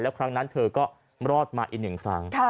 ครั้งนั้นเธอก็รอดมาอีกหนึ่งครั้ง